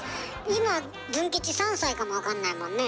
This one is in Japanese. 今ズン吉３歳かも分かんないもんね。